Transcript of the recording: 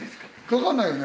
かかんないよね？